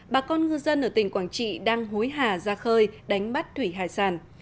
bà con ngư dân ở tỉnh quảng trị đang hối hả ra khơi đánh bắt thủy hải sản